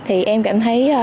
thì em cũng rất tự hào